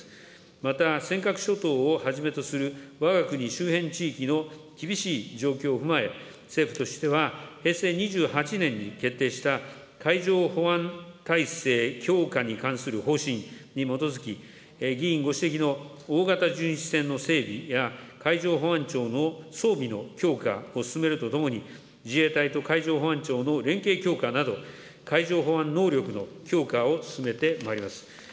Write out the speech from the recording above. また尖閣諸島をはじめとするわが国周辺地域の厳しい状況を踏まえ、政府としては平成２８年に決定した、海上保安体制強化に関する方針に基づき、議員ご指摘の大型巡視船の整備や、海上保安庁の装備の強化を進めるとともに、自衛隊と海上保安庁の連携強化など、海上保安能力の強化を進めてまいります。